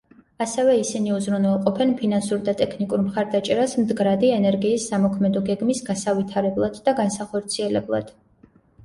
ასევე ისინი უზრუნველყოფენ ფინანსურ და ტექნიკურ მხარდაჭერას მდგრადი ენერგიის სამოქმედო გეგმის გასავითარებლად და განსახორციელებლად.